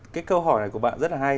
cái câu hỏi này của bạn rất là hay